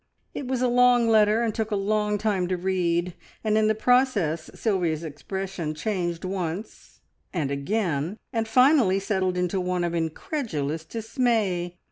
It was a long letter, and took a long time to read, and in the process Sylvia's expression changed once and again, and finally settled into one of incredulous dismay.